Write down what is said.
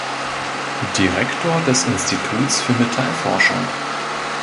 Direktor des Instituts für Metallforschung.